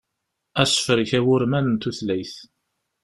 Asefrek awurman n tutlayt.